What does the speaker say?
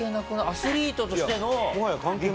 アスリートとしての激